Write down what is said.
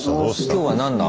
今日は何だ？